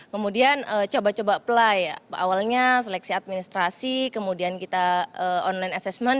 kemudian coba coba apply awalnya seleksi administrasi kemudian kita online assessment